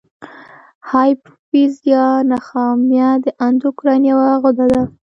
هایپوفیز یا نخامیه د اندوکراین یوه غده ده.